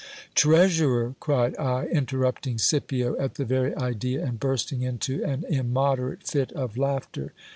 Treasurer ! cried I, interrupting Scipio at the very idea, and bursting into an immoderate fit of laughter.